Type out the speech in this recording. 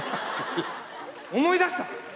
思い出した！